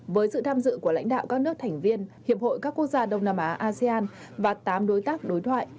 với sự tham dự của lãnh đạo các nước thành viên hiệp hội các quốc gia đông nam á asean và tám đối tác đối thoại